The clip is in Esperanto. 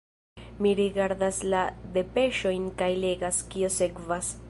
Mi rigardas la depeŝojn kaj legas, kio sekvas.